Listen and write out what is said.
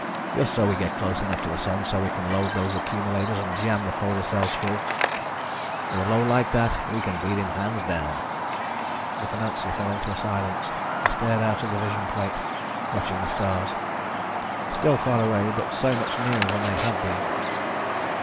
Just so we get close enough to the Sun so we can load those accumulators and jam the photo cells full. With a load like that we can beat him hands down." The financier fell into a silence. He stared out of the vision plate, watching the stars. Still far away, but so much nearer than they had been.